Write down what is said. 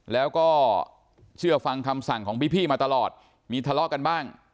แล้วก็เชื่อฟังคำสั่งของพี่มาตลอดมีทะเลาะกันบ้าง